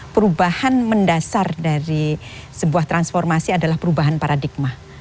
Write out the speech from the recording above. perubahan mendasar dari sebuah transformasi adalah perubahan paradigma